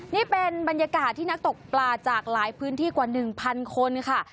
นี่เป็นบรรยากาศที่นักตกปลาจากหลายพื้นที่กว่า๑๐๐คนค่ะ